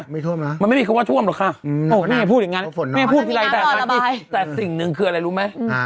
ไม่ใช่ว่าช่วมเหรอข้า